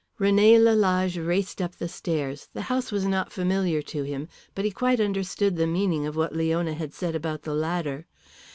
René Lalage raced up the stairs. The house was not familiar to him, but he quite understood the meaning of what Leona had said about the ladder.